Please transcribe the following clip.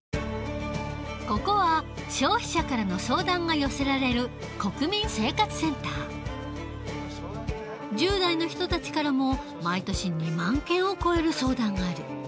ここは消費者からの相談が寄せられる１０代の人たちからも毎年２万件を超える相談がある。